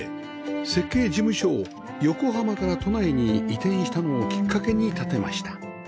設計事務所を横浜から都内に移転したのをきっかけに建てました